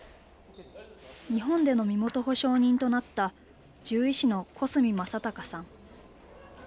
日本での身元保証人となった獣医師の小澄正敬さん。